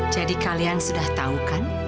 jadi kalian sudah tahu kan